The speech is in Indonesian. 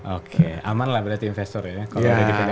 oke aman lah berarti investor ya